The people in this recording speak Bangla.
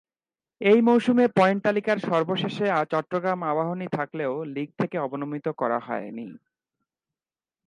এই মৌসুমে পয়েন্ট তালিকার সর্বশেষে চট্টগ্রাম আবাহনী থাকলেও লীগ থেকে অবনমিত করা করা হয়নি।